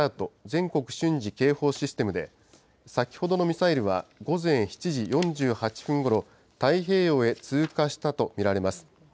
・全国瞬時警報システムで、先ほどのミサイルは午前７時４８分ごろ、太平洋へ通過したと見られます。